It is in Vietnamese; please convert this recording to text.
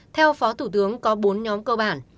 theo phó thủ tướng có bốn nhóm cơ bản